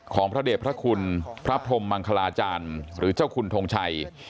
พระเด็จพระคุณพระพรมมังคลาจารย์หรือเจ้าคุณทงชัย